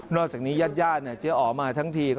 อกจากนี้ญาติเจ๊อ๋อมาทั้งที